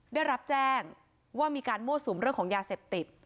ได้รับแจ้งว่ามีการมั่วสุมเรื่องของยาเสพติด